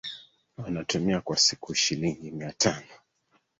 wanatumia kwa siku shilingi mia tano